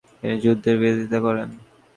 তিনি যুদ্ধের বিরোধিতা করেন।